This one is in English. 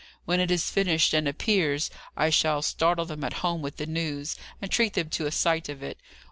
When it is finished and appears, I shall startle them at home with the news, and treat them to a sight of it.